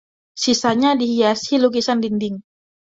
Sisanya dihiasi lukisan dinding.